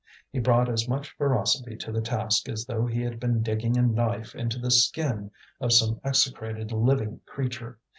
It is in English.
He brought as much ferocity to the task as though he had been digging a knife into the skin of some execrated living creature.